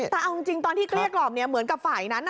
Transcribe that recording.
แต่เอาจริงตอนที่เกลี้ยกล่อมเหมือนกับฝ่ายนั้น